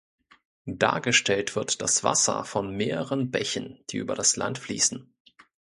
Dargestellt wird das Wasser von mehreren Bächen, die über das Land fließen.